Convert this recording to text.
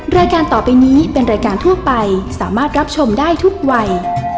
รายการต่อไปนี้เป็นรายการทั่วไปสามารถรับชมได้ทุกวัย